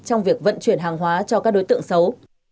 trong việc vận chuyển hàng hóa cho các đối tượng xấu